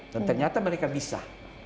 dan ternyata mereka bisa